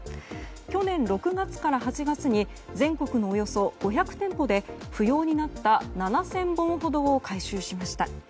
去年６月から８月に全国のおよそ５００店舗で不要になった７０００本ほどを回収しました。